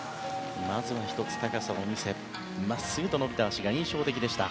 まずは１つ高さを見せ真っすぐと伸びた脚が印象的でした。